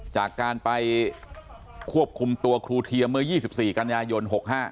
จากการไปควบคุมตัวครูเทียมเมื่อ๒๔กันยายน๖๕